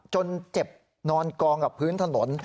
จนเจ็บนอนกองกับพื้นถนน